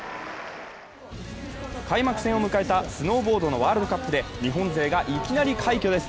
開幕戦を迎えたスノーボードのワールドカップで日本勢がいきなり快挙です！